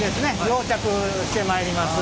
溶着してまいります。